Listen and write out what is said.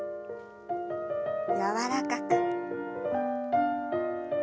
柔らかく。